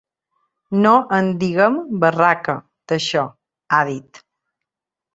“No en diguem ‘barraca’, d’això”, ha dit.